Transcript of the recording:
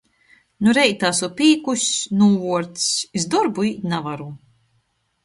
Nu reita asu pīkuss, nūvuordzs, iz dorbu īt navaru...